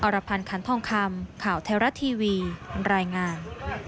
รพันธ์คันทองคำข่าวไทยรัฐทีวีรายงาน